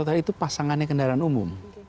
tapi itu pasangannya kendaraan umum